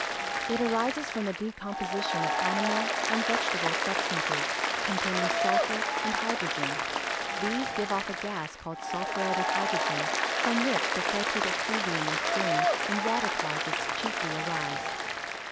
_ It arises from the decomposition of animal and vegetable substances, containing sulphur and hydrogen. These give off a gas called sulphuretted hydrogen, from which the fætid effluviam of drains and water closets chiefly arise.